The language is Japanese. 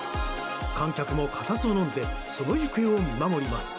観客も固唾をのんでその行方を見守ります。